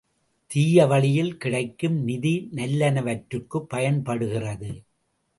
தீய வழியில் கிடைக்கும் நிதி நல்லனவற்றிற்குப் பயன்படுகிறது.